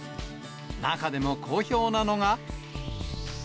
中でも好評なのが。